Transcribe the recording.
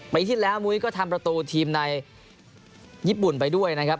ปีที่แล้วมุ้ยก็ทำประตูทีมในญี่ปุ่นไปด้วยนะครับ